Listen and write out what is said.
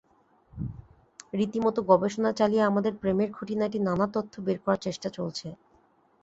রীতিমতো গবেষণা চালিয়ে আমাদের প্রেমের খুঁটিনাটি নানা তথ্য বের করার চেষ্টা চলছে।